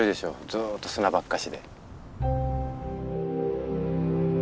ずっと砂ばっかしで。